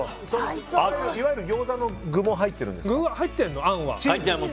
いわゆるギョーザの具も入ってるんですか？